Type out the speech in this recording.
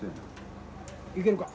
いけるか？